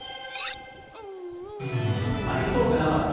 ありそうでなかった。